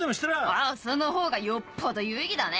ああそのほうがよっぽど有意義だね。